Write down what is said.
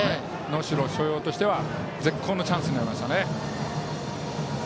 能代松陽としては絶好のチャンスになりました。